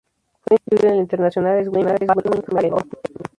Fue incluido en el International Swimming Hall of Fame.